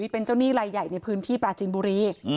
เป็นเจ้าหนี้ลายใหญ่ในพื้นที่ปราจีนบุรี